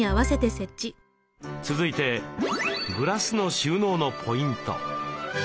続いてグラスの収納のポイント。